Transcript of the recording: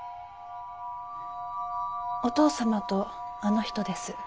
お父様とあの人です。